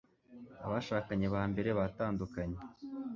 abashakanye ba mbere batandukanye